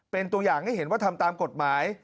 เป็นตัวอย่างให้เห็นว่าทำตามกฎหมาย